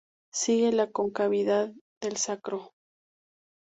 Sigue la concavidad del sacro.